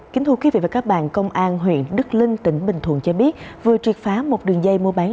kính thưa quý vị và các bạn công an huyện đức linh tỉnh bình thuận cho biết vừa triệt phá một đường dây mua bán